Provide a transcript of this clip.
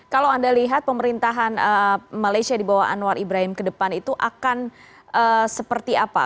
kalau anda lihat pemerintahan malaysia di bawah anwar ibrahim ke depan itu akan seperti apa